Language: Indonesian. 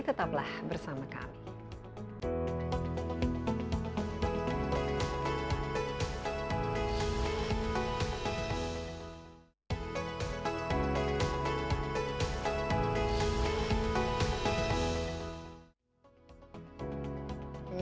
tetaplah bersama kami